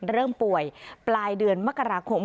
เริ่มป่วยปลายเดือนมกราคม